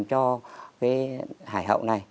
cho cái hải hậu này